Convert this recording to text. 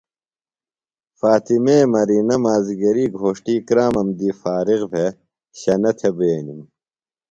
فاطمے مرینہ مازِگری گھوݜٹی کرامم دی فارغ بھےۡ شنہ تھےۡ بئینِم۔